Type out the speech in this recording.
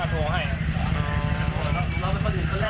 แล้วเป็นคนอื่นตั้งแรกหรือไหม